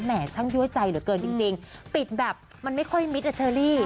ช่างยั่วใจเหลือเกินจริงปิดแบบมันไม่ค่อยมิดอ่ะเชอรี่